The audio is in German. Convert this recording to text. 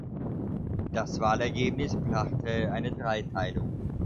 Das Wahlergebnis brachte eine Dreiteilung.